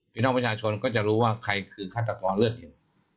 พี่น้องประชาชนก็จะรู้ว่าใครคือฆาตกรเลือดเห็น